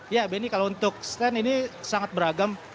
ya benny kalau untuk stand ini sangat beragam